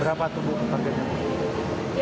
berapa tujuan targetnya